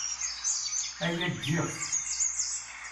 Aya giɣ-t.